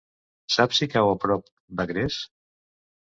Saps si cau a prop d'Agres?